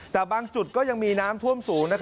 แต่บางจุดก็ยังมีน้ำท่วมสูง